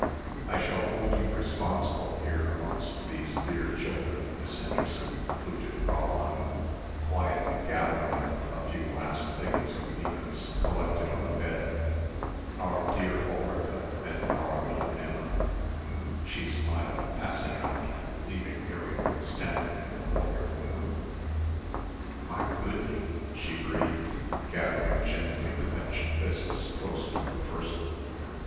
"I shall hold you responsible here amongst these dear children, Miss Henderson," fluted Fräulein, quietly gathering up a few last things of Minna's collected on the bed, "our dear Ulrica and our little Emma," she smiled, passing out, leaving Miriam standing in the wonderful room. "My goodney," she breathed, gathering gently clenched fists close to her person.